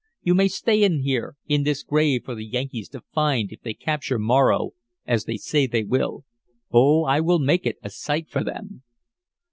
You may stay in here in this grave for the Yankees to find if they capture Morro as they say they will. Oh, I will make it a sight for them!"